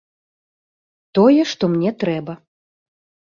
Тое, што мне трэба.